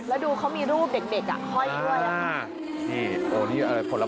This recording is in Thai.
และดูเขามีรูปเด็กเฮ้ยด้วยครับ